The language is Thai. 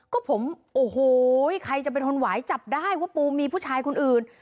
ก็ผมโอ้โหใครจะไปทนไหวจับได้ว่าปูมีผู้ชายคนอื่น